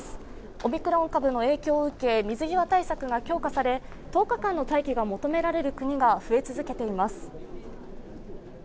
オミクロン株の影響を受け、水際対策が強化され、１０日間の待機が求められる国が増え続けています。